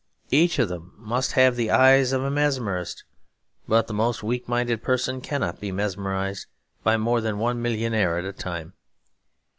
Each of them must have the eyes of a mesmerist; but the most weak minded person cannot be mesmerised by more than one millionaire at a time.